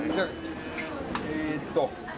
えっと。